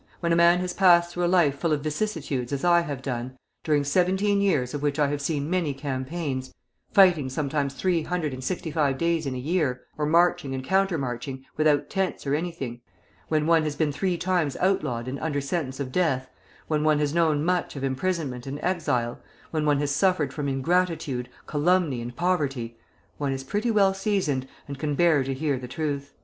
When a man has passed through a life full of vicissitudes as I have done, during seventeen years of which I have seen many campaigns, fighting sometimes three hundred and sixty five days in a year, or marching and counter marching, without tents or anything; when one has been three times outlawed and under sentence of death; when one has known much of imprisonment and exile; when one has suffered from ingratitude, calumny, and poverty, one is pretty well seasoned, and can bear to hear the truth."